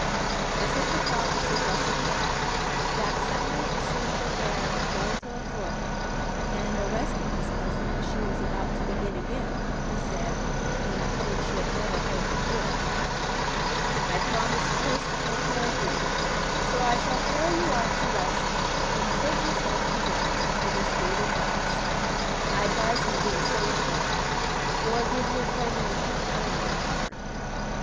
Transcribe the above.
As if the thought suggested the act, Jack suddenly assumed an air of paternal authority, and, arresting his cousin as she was about to begin again, he said, in a tone she had never heard before, "I promised Pris to take care of you, so I shall carry you off to rest, and put yourself to rights after this game of romps. I advise you to do the same, Fletcher, or give your friend in the pink bonnet a turn."